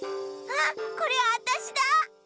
あこれあたしだ！